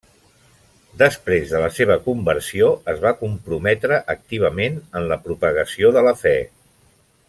Després de la seva conversió, es va comprometre activament en la propagació de la fe.